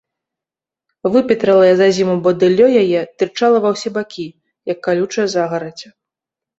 Выпетралае за зіму бадыллё яе тырчала ва ўсе бакі, як калючая загарадзь.